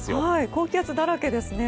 高気圧だらけですね。